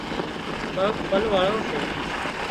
ڪانڪ ڦل واۯان سي